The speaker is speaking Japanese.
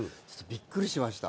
びっくりしました。